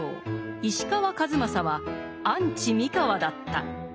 石川数正はアンチ三河だった。